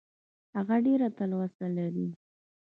هغه ډېره تلوسه لري .